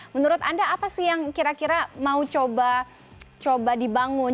menurut anda apa sih yang kira kira mau coba dibangun